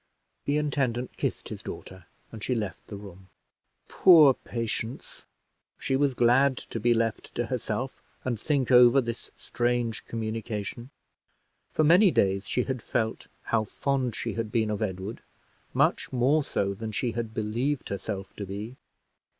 The intendant kissed his daughter, and she left the room. Poor Patience! she was glad to be left to herself, and think over this strange communication. For many days she had felt how fond she had been of Edward, much more so than she had believed herself to be.